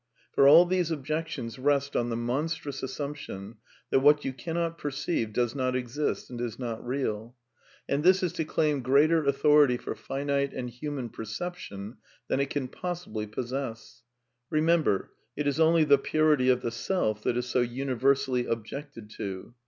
For all these objections rest on the monstrous assumption that what you cannot perceive does not exist and is not real. And this is to claim greater authority for finite and human perception than it can possibly possess. Remember, it is only the purity of the self that is so universally objected to.